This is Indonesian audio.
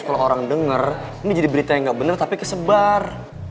kalo orang denger ini jadi berita yang gak bener tapi kesebar